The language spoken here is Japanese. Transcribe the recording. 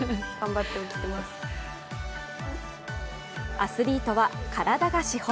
アスリートは体が資本。